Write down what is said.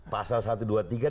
pasal satu dua tiga